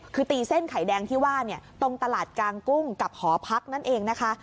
คือตีเส้นไข่แดงที่ว่าตรงตลาดกลางกุ้งกับหอพักนั่นเองนะคะ